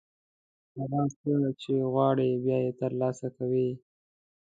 هغه څه چې غواړئ، بیا یې ترلاسه کوئ.